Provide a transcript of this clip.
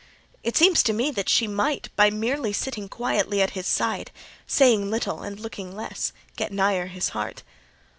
It seems to me that she might, by merely sitting quietly at his side, saying little and looking less, get nigher his heart.